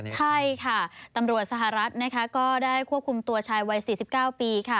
ใช่ค่ะตำรวจสหรัฐนะคะก็ได้ควบคุมตัวชายวัย๔๙ปีค่ะ